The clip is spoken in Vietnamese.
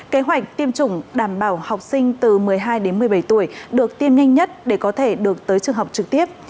kế hoạch tiêm chủng đảm bảo học sinh từ một mươi hai đến một mươi bảy tuổi được tiên nhanh nhất để có thể được tới trường học trực tiếp